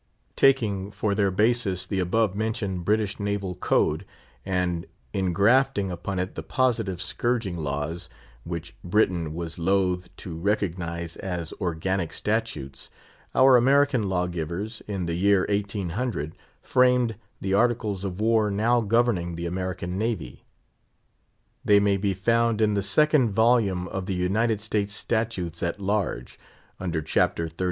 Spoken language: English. Taking for their basis the above mentioned British Naval Code, and ingrafting upon it the positive scourging laws, which Britain was loth to recognise as organic statutes, our American lawgivers, in the year 1800, framed the Articles of War now governing the American Navy. They may be found in the second volume of the "United States Statutes at Large," under chapter xxxiii.